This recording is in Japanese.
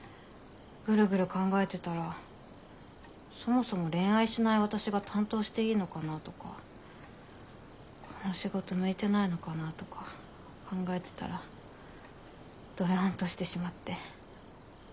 グルグル考えてたらそもそも恋愛しない私が担当していいのかなとかこの仕事向いてないのかなとか考えてたらドヨンとしてしまって。